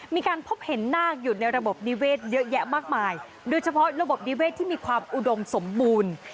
มีการพบเห็นนาคอยู่ในระบบนิเวศเยอะแยะมากมายโดยเฉพาะระบบนิเวศที่มีความอุดมสมบูรณ์